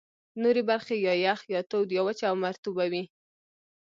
نورې برخې یا یخ، یا تود، یا وچه او مرطوبه وې.